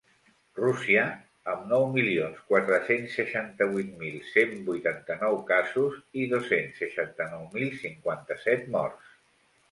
Rússia, amb nou milions quatre-cents seixanta-vuit mil cent vuitanta-nou casos i dos-cents seixanta-nou mil cinquanta-set morts.